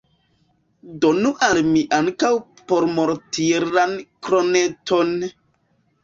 Donu al mi ankaŭ pormartiran kroneton!